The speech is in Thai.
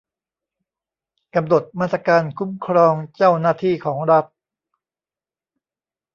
กำหนดมาตรการคุ้มครองเจ้าหน้าที่ของรัฐ